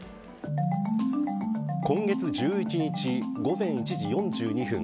今月１１日午前１時４２分。